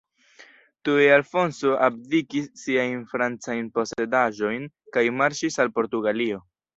Tuje Alfonso abdikis siajn francajn posedaĵojn kaj marŝis al Portugalio.